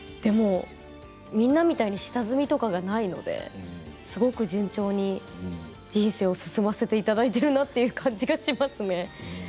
みんなみたいに下積みがないのですごく順調に人生を進ませていただいているなという感じがしますね。